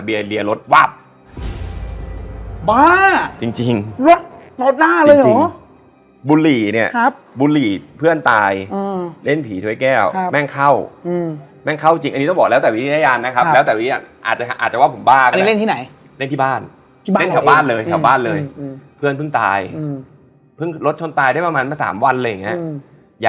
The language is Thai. บ้านยาวอย่างงี้บ้านมันหนูมากเลย